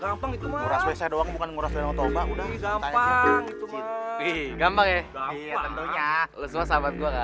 gampang itu bukan nguras nguras otobah udah gampang gampang ya tentunya semua sahabat gue